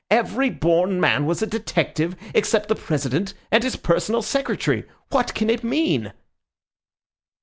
Every born man was a detective except the President and his personal secretary. What can it mean?"